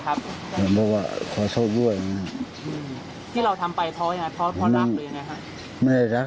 ครับอยากบอกว่าขอโทษด้วยที่เราทำไปเขายังไงเขาพอ